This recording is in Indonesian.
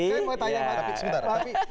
saya mau tanya pak alex sebentar